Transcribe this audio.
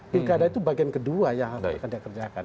pilkada itu bagian kedua yang akan dikerjakan